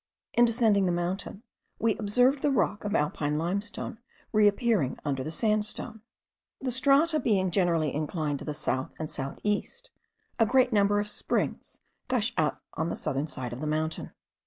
In descending the mountain, we observed the rock of Alpine limestone reappearing under the sandstone. The strata being generally inclined to the south and south east, a great number of springs gush out on the southern side of the mountain.